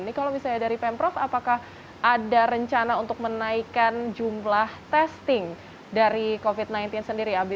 ini kalau misalnya dari pemprov apakah ada rencana untuk menaikkan jumlah testing dari covid sembilan belas sendiri